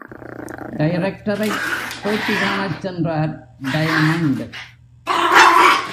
டைரக்டரைப் பேட்டி காணச் சென்றார் டயமண்ட்.